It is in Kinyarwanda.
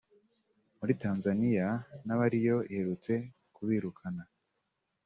Muri Tanzaniya n’abariyo iherutse kubirukana